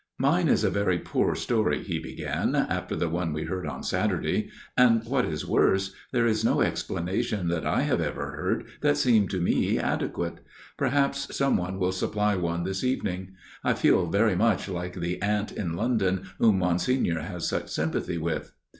" Mine is a very poor story," he began, " after the one we heard on Saturday, and, what is worse, there is no explanation that I have ever heard that seemed to me adequate. Perhaps some one will supply one this evening. I feel very much like the ant in London whom Monsignor has such sympathy with."